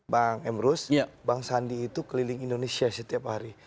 bang emrus bang sandi itu keliling indonesia setiap hari